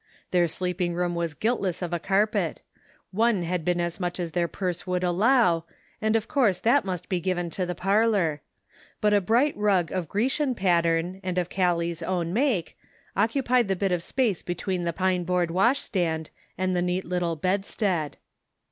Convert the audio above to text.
Their sleeping room was guiltless of a carpet ; one had been as much as their purse would allow, and of course that must be given to the parlor; but a bright rug of Gre cian pattern, and of Callie's own make, occu pied the bit of space between the pine board washstand and the neat little bedstead.